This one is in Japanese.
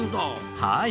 はい。